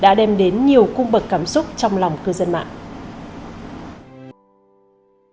đã đem đến nhiều cung bậc cảm xúc trong lòng cư dân mạng